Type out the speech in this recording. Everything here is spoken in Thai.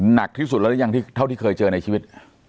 หนักที่สุดแล้วหรือยังเท่าที่เคยเจอในชีวิต